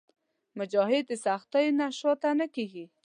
مجاهد د سختیو نه شاته نه کېږي.